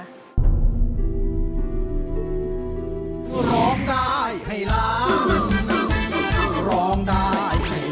รายการต่อไปนี้เป็นรายการทั่วไปสามารถรับชมได้ทุกวัย